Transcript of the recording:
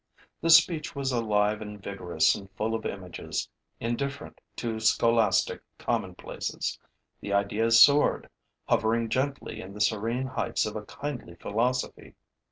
The speech was alive and vigorous and full of images; indifferent to scholastic commonplaces, the ideas soared, hovering gently in the serene heights of a kindly philosophy.